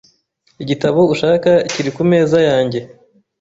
Igitabo ushaka kiri kumeza yanjye.